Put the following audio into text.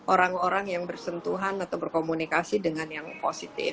orang orang yang bersentuhan atau berkomunikasi dengan yang positif